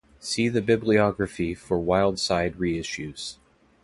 See the bibliography for Wildside reissues.